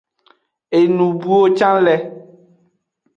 Enubuwo can le.